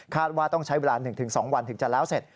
ว่าต้องใช้เวลา๑๒วันถึงจะแล้วเสร็จ